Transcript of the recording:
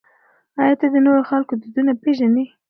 آیا ته د نورو خلکو دودونه پېژنې؟